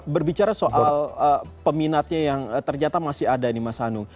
berbicara soal peminatnya yang ternyata masih ada nih mas hanu